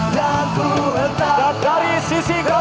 dan ku letakkan cinta padaku